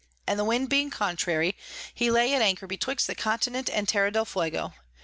and the Wind being contrary, he lay at anchor betwixt the Continent and Terra del Fuego.